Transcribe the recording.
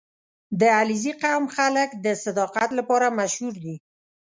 • د علیزي قوم خلک د صداقت لپاره مشهور دي.